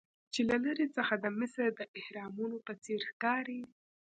چې له لرې څخه د مصر د اهرامونو په څیر ښکاري.